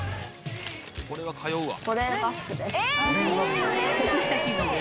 これは通うわ。